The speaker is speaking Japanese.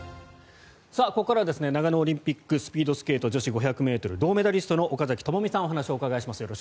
ここからは長野オリンピックスピードスケート女子５００ｍ銅メダリストの岡崎朋美さんにお話をお伺いします。